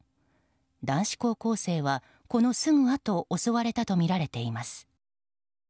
男子高校生は、このすぐあと襲われたとみられています。